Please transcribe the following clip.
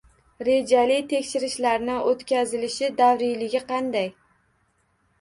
Rejali tekshirishlarni o‘tkazilishi davriyligi qanday?